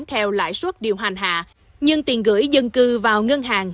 theo lãi suất điều hành hạ nhưng tiền gửi dân cư vào ngân hàng